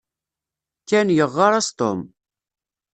Ken yeɣɣar-as Tom.